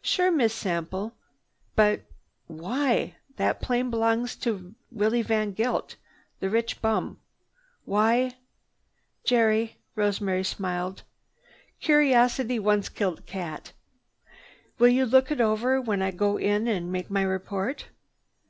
"Sure, Miss Sample. But what—why that plane belongs to Willie VanGeldt, the rich young bum. Why—" "Jerry," Rosemary smiled, "curiosity once killed a cat. Will you look it over while I go in and make my report?"